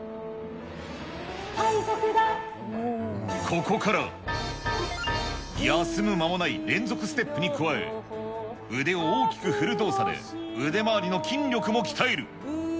ここから、休む間もない連続ステップに加え、腕を大きく降る動作で腕周りの筋力も鍛える。